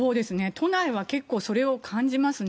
都内は結構それを感じますね。